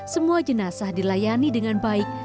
semua jenazah dilayani dengan baik